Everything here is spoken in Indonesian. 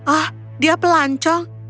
oh dia pelancong